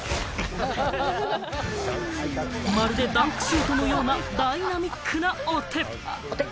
まるでダンクシュートのようなダイナミックなお手！